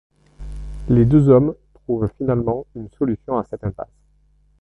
Les deux hommes trouvent finalement une solution à cette impasse.